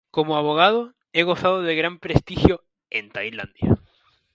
Como abogado, ha gozado de gran prestigio en Tailandia.